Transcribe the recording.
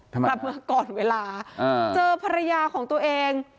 กลับมาก่อนเวลาเจอภรรยาของตัวเอง